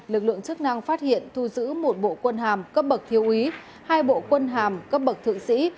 lực lượng chức năng phát hiện thu giữ một bộ quân hàm cấp bậc thiêu úy hai bộ quân hàm cấp bậc thượng sĩ